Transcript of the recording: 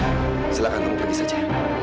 silahkan kamu pergi saja